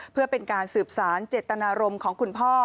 เพื่อเป็นการสืบสารเจตนารมณ์ของคุณพ่อ